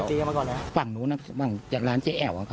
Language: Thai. ตีกันมาก่อนแล้ว